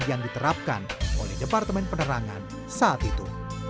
yang diterapkan oleh departemen penerangan saat itu